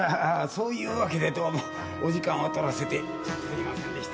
そういうわけでどうもお時間を取らせてすいませんでした。